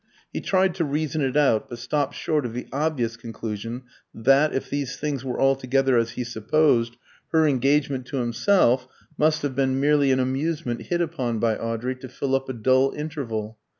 He tried to reason it out, but stopped short of the obvious conclusion that, if these things were altogether as he supposed, her engagement to himself must have been merely an amusement hit upon by Audrey to fill up a dull interval.